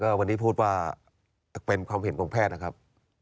วันนี้พูดว่าเป็นความเห็นของแพทย์นะครับ